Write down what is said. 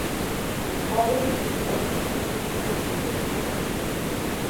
কবরী প্রথমে চিত্ত চৌধুরীকে বিয়ে করেন।